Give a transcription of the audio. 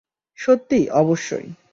সত্যি, - অবশ্যই।